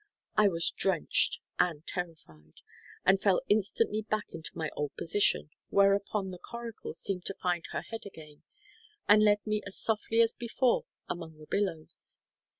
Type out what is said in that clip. I was drenched and terrified, and fell instantly back into my old position, whereupon the coracle seemed to find her head again, and led me as softly as before among the billows.